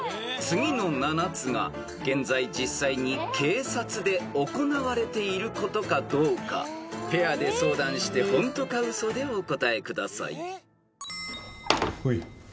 ［次の７つが現在実際に警察で行われていることかどうかペアで相談してホントかウソでお答えください］